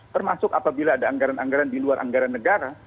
termasuk apabila ada anggaran anggaran di luar anggaran negara